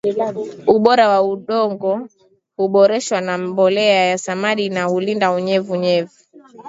ubora wa udongo huboreshwa na mbolea ya samadi na hulinda unyevu unyevu